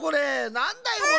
なんだよこれ。